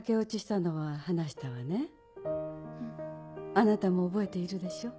あなたも覚えているでしょ？